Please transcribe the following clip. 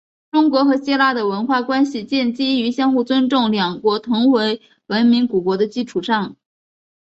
中国和希腊的文化关系建基于相互尊重两国同为文明古国的基础上。